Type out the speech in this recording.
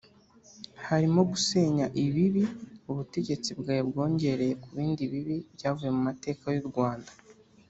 Harimo gusenya ibibi ubutegetsi bwawe bwongereye ku bindi bibi byavuye mu mateka y’u Rwanda